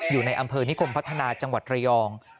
อยู่ในอำเภอนิคมพัฒนาจังหวัดระยอง